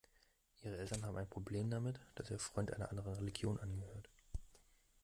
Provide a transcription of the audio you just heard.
Ihre Eltern haben ein Problem damit, dass ihr Freund einer anderen Religion angehört.